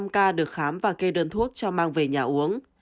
năm mươi năm ca được khám và gây đơn thuốc cho mang về nhà uống